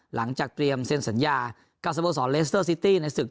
หลังจากเตรียมเซ็นสัญญากับสโมสรเลสเตอร์ซิตี้ในศึก